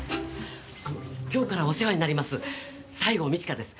今日からお世話になります西郷美千花です